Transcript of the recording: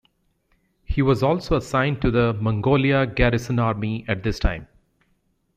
He was also assigned to the Mongolia Garrison Army at this time.